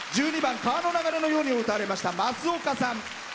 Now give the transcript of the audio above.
１２番「川の流れのように」を歌われましたますおかさん。